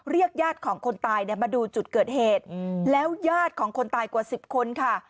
เรียกญาติของคนตายมาดูจุดเกิดเหตุแล้วยาดของคนตายกว่า๑๐คนค่ะ